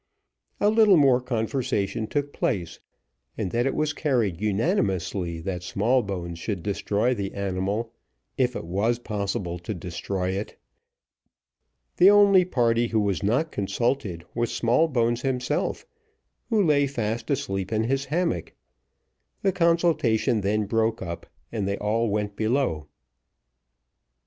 A little more conversation took place, and then it was carried unanimously that Smallbones should destroy the animal, if it was possible to destroy it. The only party who was not consulted was Smallbones himself, who lay fast asleep in his hammock. The consultation then broke up, and they all went below.